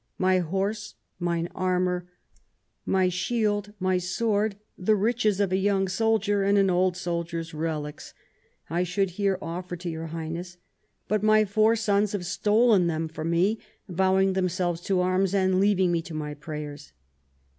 My horse, mine armour, my shield, my sword, the riches of a young soldier, and an old soldier's relics, I should here offer to your Highness ; but my four sons have stolen them from me vowing themselves to arms, and leaving me to my prayers.